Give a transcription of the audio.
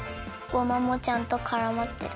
ごまもちゃんとからまってる。